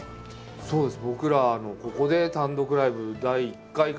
そうです。